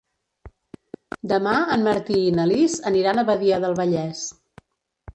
Demà en Martí i na Lis aniran a Badia del Vallès.